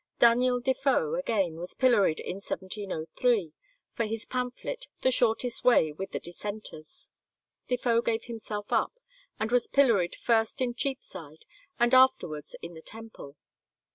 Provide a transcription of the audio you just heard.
Daniel Defoe, again, was pilloried in 1703 for his pamphlet, "The Shortest Way with the Dissenters." Defoe gave himself up, and was pilloried first in Cheapside, and afterwards in the Temple.